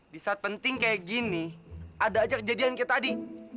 di saat penting kayak gini ada aja kejadian kayak tadi